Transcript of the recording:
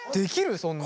そんなん。